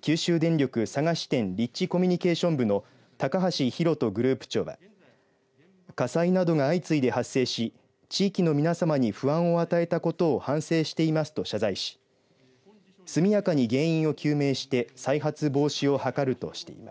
九州電力佐賀支店立地コミュニケーション部の高橋弘人グループ長は火災などが相次いで発生し地域の皆さまに不安を与えたことを反省していますと謝罪し速やかに原因を究明して再発防止を図るとしています。